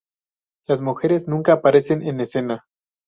Las mujeres nunca aparecen en escena.